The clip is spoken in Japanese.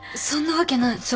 そんなわけない。